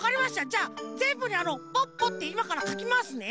じゃあぜんぶにあの「ポッポ」っていまからかきますね。